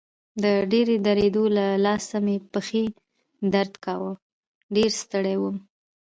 د ډېرې درېدو له لاسه مې پښې درد کاوه، ډېر ستړی وم.